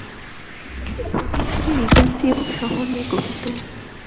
প্রদেশগুলি regency এবং শহর নিয়ে গঠিত।